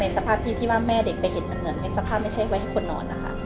สภาพที่ที่ว่าแม่เด็กไปเห็นมันเหมือนในสภาพไม่ใช่ไว้ให้คนนอนนะคะ